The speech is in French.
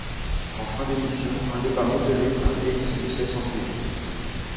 En fin d'émission, un débat modéré par Élise Lucet s'ensuivit.